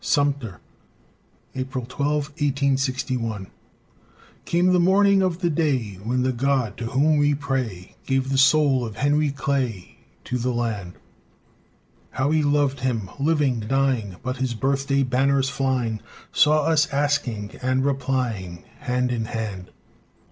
SUMTER [April 12, 1861] Came the morning of that day When the God to whom we pray Gave the soul of Henry Clay To the land; How we loved him, living, dying! But his birthday banners flying Saw us asking and replying Hand to hand.